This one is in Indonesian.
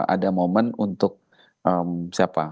ada momen untuk siapa